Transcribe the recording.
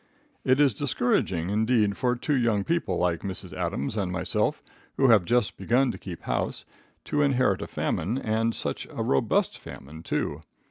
It is discouraging, indeed, for two young people like Mrs. Adams and myself, who have just begun to keep house, to inherit a famine, and such a robust famine, too.